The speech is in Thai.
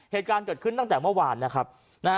เหตุการณ์เกิดขึ้นตั้งแต่เมื่อวานนะครับ